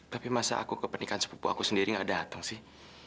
tapi masa aku ke pernikahan sepupu aku sendiri gak dateng sih